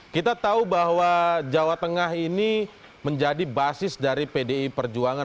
kita tahu bahwa jawa tengah ini menjadi basis dari pdi perjuangan